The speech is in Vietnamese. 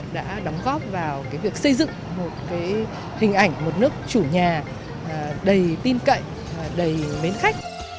đã đóng góp vào việc xây dựng một hình ảnh một nước chủ nhà đầy tin cậy và đầy mến khách